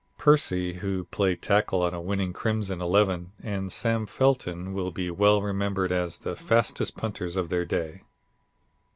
Percy, who played tackle on a winning Crimson eleven, and Sam Felton will be well remembered as the fastest punters of their day.